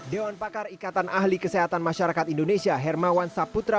dewan pakar ikatan ahli kesehatan masyarakat indonesia hermawan saputra